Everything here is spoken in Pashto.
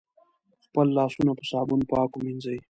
خپل لاسونه په صابون پاک ومېنځی